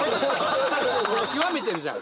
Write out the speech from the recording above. もう極めてるじゃん。